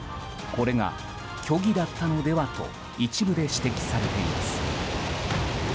これが虚偽だったのではと一部で指摘されています。